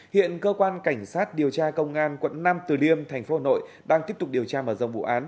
hiện cơ quan cảnh sát điều tra công an quận năm từ liêm thành phố hồ nội đang tiếp tục điều tra mở rộng bụ án